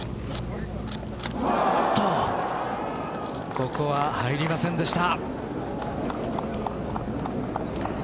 ここは入りませんでした。